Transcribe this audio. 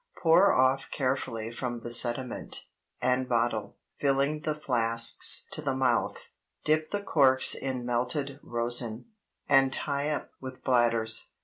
Pour off carefully from the sediment, and bottle, filling the flasks to the mouth. Dip the corks in melted rosin, and tie up with bladders.